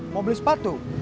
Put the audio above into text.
mau beli sepatu